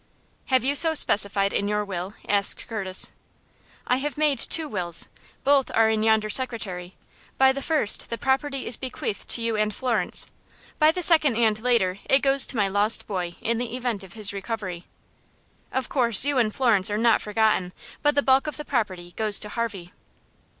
"Have you so specified in your will?" asked Curtis. "I have made two wills. Both are in yonder secretary. By the first the property is bequeathed to you and Florence. By the second and later, it goes to my lost boy in the event of his recovery. Of course, you and Florence are not forgotten, but the bulk of the property goes to Harvey."